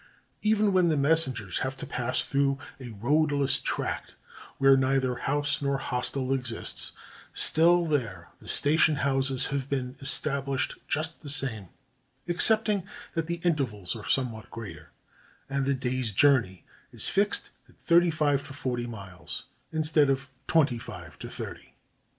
Even when the messengers have "3 CHINA to pass through a roadless tract where neither house nor hostel exists, still there the station houses have been established just the same, excepting that the intervals are somewhat greater, and the day's journey is fixed at thirty five to forty five miles, instead of twenty five to thirty.